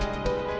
dan setelah itu